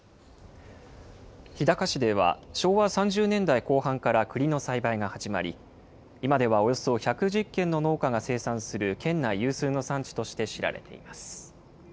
日高市では、昭和３０年代後半からくりの栽培が始まり、今ではおよそ１１０軒の農家が生産する県内有数の産地として知られています。